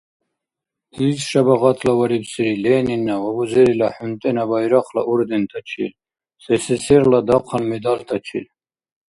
Ил шабагъатлаварибсири Ленинна ва Бузерила ХӀунтӀена Байрахъла ордентачил, СССР-ла дахъал медальтачил.